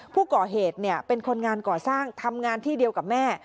ผู้ก่อเหตุเป็นคนงานก่อสร้างทำงานที่เดียวกับแม่